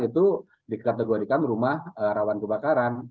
itu dikategorikan rumah rawan kebakaran